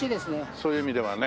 そういう意味ではね。